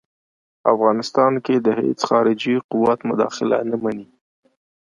افغانستان کې د هیڅ خارجي قوت مداخله نه مني.